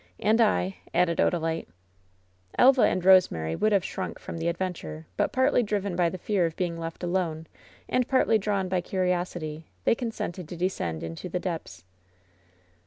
"And I,'' added Odalite. Elva and Rosemary would have shrunk from the ad venture, but partly driven by the fear of being left alone, and partly drawn by curiosity, they consented to d^ scend into the depths.